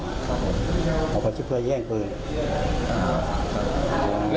แล้วพอแย่งปืนเสร็จแล้วทำไมเราอืมไม่ยิงกลับเราก็อยู่เย็นเฉย